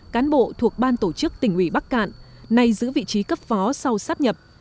cán bộ thuộc ban tổ chức tỉnh ủy bắc cạn nay giữ vị trí cấp phó sau sắp nhập